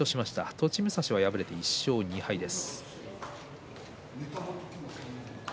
栃武蔵は敗れて１勝２敗です。